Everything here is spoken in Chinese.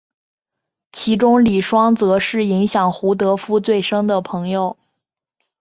其中李双泽是影响胡德夫最深的朋友。